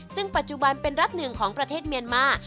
ซึ่งปัจจุบันเป็นรัฐหนึ่งของประเทศเมียนมา